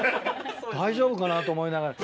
大丈夫かな？と思いながら。